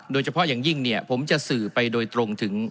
โดยเฉพาะอย่างยิ่งเนี่ยผมจะสื่อไปโดยตรงถึง